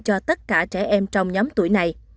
cho tất cả trẻ em trong nhóm tuổi này